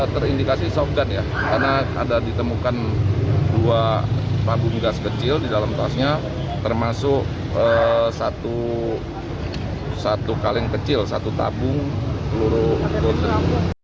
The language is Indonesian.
terindikasi soft gun ya karena ada ditemukan dua pagu migas kecil di dalam tasnya termasuk satu kaleng kecil satu tabung peluru gotri